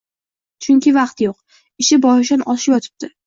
Chunki vaqti yo‘q, ishi boshidan oshib yotibdi...